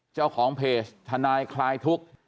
เจ้าของเพจทนายคลายทุกข์